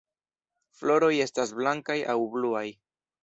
Floroj estas blankaj aŭ bluaj.